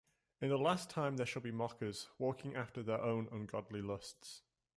In the last time there shall be mockers, walking after their own ungodly lusts.